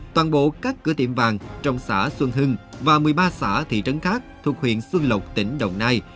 toàn bộ các cửa tiệm vàng trong xã xuân hưng và một mươi ba xã thị trấn khác thuộc huyện xuân lộc tỉnh đồng nai